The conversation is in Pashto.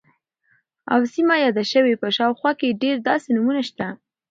او سیمه یاده شوې، په شاوخوا کې یې ډیر داسې نومونه شته،